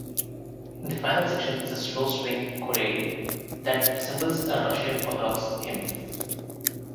The final section is a slow string chorale that resembles a Russian Orthodox hymn.